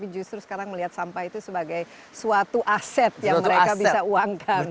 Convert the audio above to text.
justru sekarang melihat sampah itu sebagai suatu aset yang mereka bisa uangkan